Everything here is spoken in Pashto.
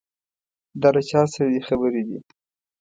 دا له چا سره دې خبرې دي.